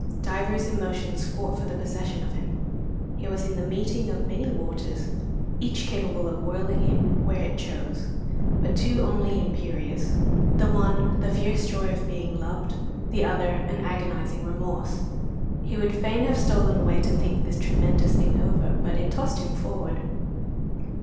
Divers emotions fought for the possession of him. He was in the meeting of many waters, each capable of whirling him where it chose, but two only imperious: the one the fierce joy of being loved; the other an agonizing remorse. He would fain have stolen away to think this tremendous thing over, but it tossed him forward.